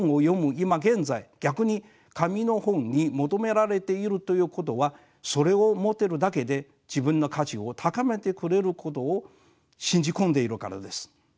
今現在逆に紙の本に求められているということはそれを持ってるだけで自分の価値を高めてくれることを信じ込んでいるからです。